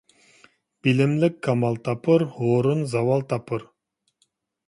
بىلىملىك كامال تاپۇر، ھۇرۇن زاۋال تاپۇر.